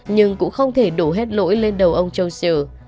nhưng cũng không thể đổ hết lỗi lên đầu ông johnsil